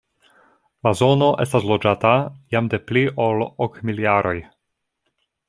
La zono estas loĝata jam de pli ol ok mil jaroj.